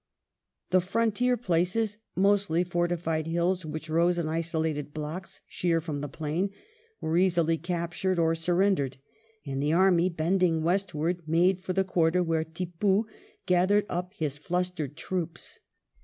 The frontier places, mostly fortified hills which rose in isolated blocks sheer from the plain, were easily captured or surrendered, and the army, bending west ward, made for the quarter where Tippoo gathered up his flustered troops.